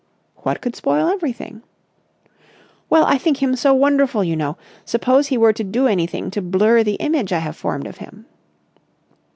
"What could spoil everything?" "Well, I think him so wonderful, you know. Suppose he were to do anything to blur the image I have formed of him."